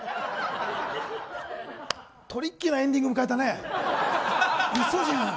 トリッキーなエンディング迎えたね。